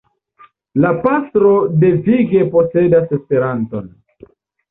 La pastro devige posedas Esperanton.